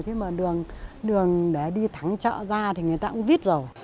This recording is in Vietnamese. thế mà đường để đi thắng chợ ra thì người ta cũng vít rồi